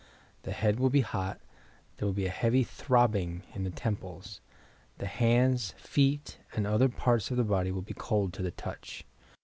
,.. The head will be hot, there will be a heavy throbbing in the temples. MATERIALIZATION The hands, feet and other parts of the body will be cold to the touch.